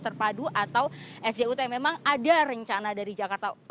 terpadu atau sjutm memang ada rencana dari jakarta